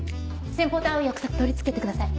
先方と会う約束取り付けてください。